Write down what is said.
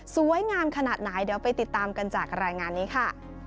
สวยงามขนาดไหนเดี๋ยวไปติดตามกันจากรายงานนี้ค่ะ